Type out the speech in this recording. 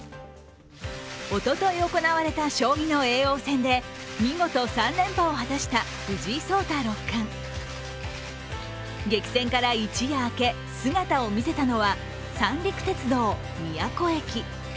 おととい行われた将棋の叡王戦で見事３連覇を果たした藤井聡太六冠激戦から一夜明け、姿を見せたのは三陸鉄道宮古駅。